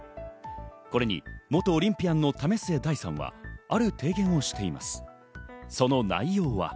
これに元オリンピアンの為末大さんは、ある提言をしています。